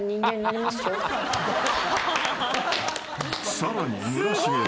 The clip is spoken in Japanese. ［さらに村重は］